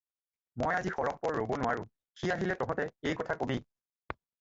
মই আজি সৰহপৰ ৰ'ব নোৱাৰো, সি আহিলেই তহঁতে তাক এই কথা ক'বি।